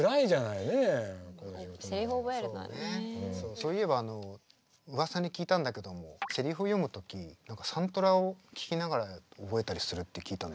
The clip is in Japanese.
そういえばうわさに聞いたんだけどもセリフを読む時何かサントラを聴きながら覚えたりするって聞いたんだけど本当？